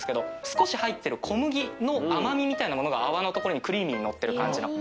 少し入ってる小麦の甘味みたいなものが泡のところにクリーミーにのってる感じの。